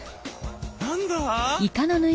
何だ？